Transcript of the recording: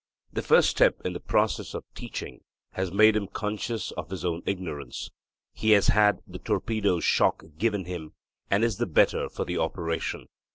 The first step in the process of teaching has made him conscious of his own ignorance. He has had the 'torpedo's shock' given him, and is the better for the operation.